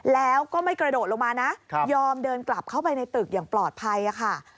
แล้วก็ไม่กระโดดลงมานะยอมเดินกลับเข้าไปในตึกอย่างปลอดภัยค่ะ